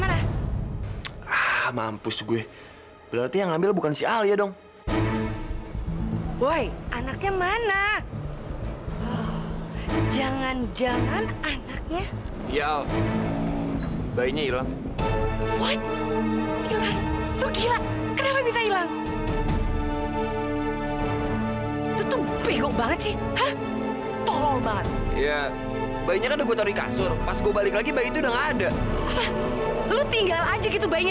sampai jumpa di video selanjutnya